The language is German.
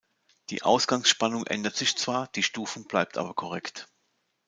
Die Ausgangsspannung ändert sich zwar, die Stufung bleibt aber korrekt.